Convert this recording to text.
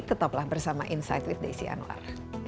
tetaplah bersama insight with desi anwar